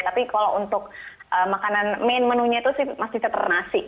tapi kalau untuk makanan main menunya itu sih masih tetap nasi